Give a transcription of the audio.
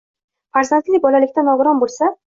Farzandi bolalikdan nogiron bo‘lsa